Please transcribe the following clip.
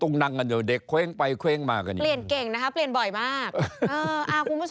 มันก็ประท้วงกันอยู่